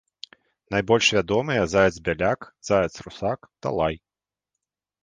Найбольш вядомыя заяц-бяляк, заяц-русак, талай.